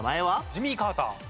ジミー・カーター。